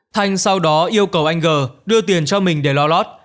thanh sau đó yêu cầu anh g đưa tiền cho mình để lo lót